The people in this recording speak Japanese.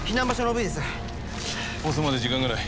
放送まで時間がない。